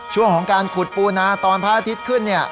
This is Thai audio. ช่วงของการขุดปูนาตอนพระอาทิตย์ขึ้นเนี่ย